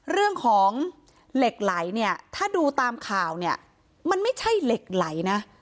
เรื่องของเหล็กไหลเนี่ยถ้าดูตามข่าวเนี่ยมันไม่ใช่เหล็กไหลนะ